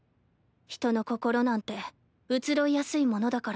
人の心なんて移ろいやすいものだから。